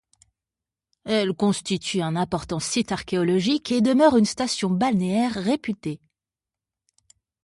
Elle constitue un important site archéologique et demeure une station balnéaire réputée.